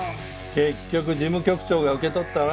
結局事務局長が受け取ったわ。